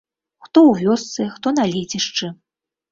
Хто ў вёсцы, хто на лецішчы.